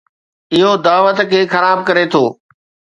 اهو دعوت کي خراب ڪري ٿو.